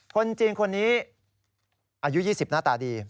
คนจีนคนนี้อายุ๒๐หน้าตาดี